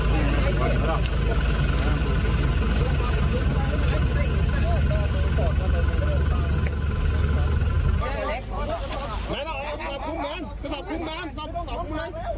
เยี่ยม